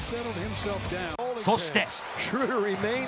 そして。